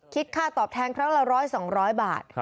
คิดค่าตอบแทนครั้งละร้อยสองร้อยบาท